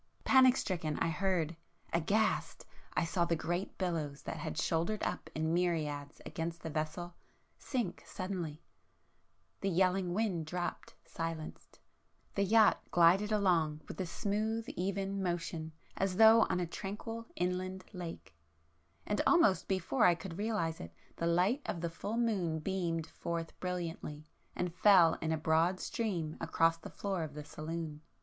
Panic stricken I heard,—aghast I saw the great billows that had shouldered up in myriads against the vessel, sink suddenly,—the yelling wind dropped, silenced,—the yacht glided [p 460] along with a smooth even motion as though on a tranquil inland lake,—and almost before I could realize it, the light of the full moon beamed forth brilliantly and fell in a broad stream across the floor of the saloon.